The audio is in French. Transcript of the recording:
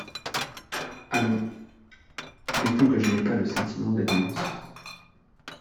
Allons, mettons que je n’ai pas le sentiment des nuances…